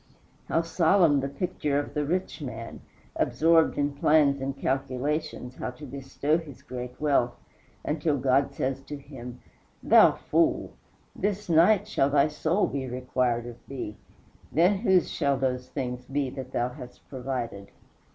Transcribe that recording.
How solemn the picture of the rich man, absorbed in plans and calculations how to bestow his great wealth until God says to him, "Thou fool! this night shall thy soul be required of thee then whose shall those things be that thou hast provided?"